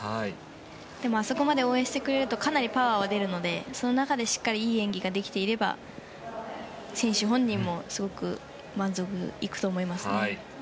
でも、あそこまで応援してくれるとかなりパワーが出るのでその中でしっかりいい演技ができていれば選手本人もすごく満足いくと思いますね。